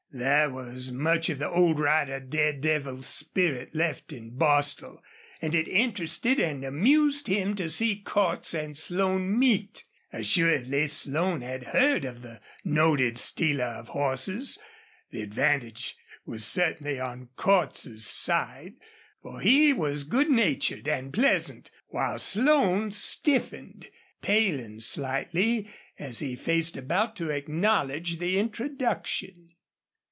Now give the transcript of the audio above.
There was much of the old rider daredevil spirit left in Bostil, and it interested and amused him to see Cordts and Slone meet. Assuredly Slone had heard of the noted stealer of horses. The advantage was certainly on Cordts's side, for he was good natured and pleasant while Slone stiffened, paling slightly as he faced about to acknowledge the introduction.